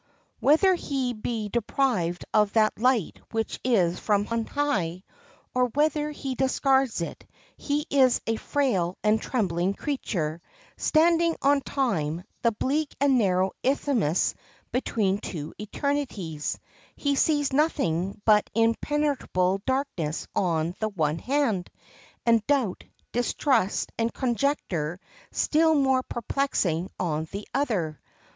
Whether he be deprived of that light which is from on high, or whether he discards it, he is a frail and trembling creature, standing on time, that bleak and narrow isthmus between two eternities; he sees nothing but impenetrable darkness on the one hand, and doubt, distrust, and conjecture still more perplexing on the other.